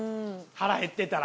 腹減ってたら。